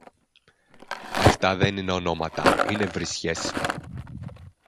Αυτά δεν είναι ονόματα, είναι βρισιές